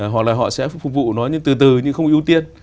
hoặc là họ sẽ phục vụ nó từ từ nhưng không ưu tiên